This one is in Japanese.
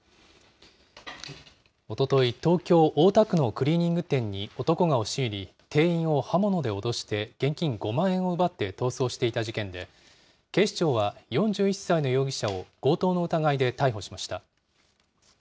おととい、東京・大田区のクリーニング店に男が押し入り、店員を刃物で脅して現金５万円を奪って逃走していた事件で、警視庁は、４１歳の容疑者を強盗の疑いで逮捕しました。